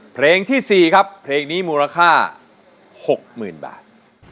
เพลงที่๔ครับเพลงนี้มูลค่า๖๐๐๐บาท